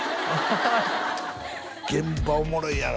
現場おもろいやろ？